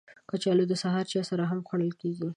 کچالو د سهار چای سره هم خوړل کېږي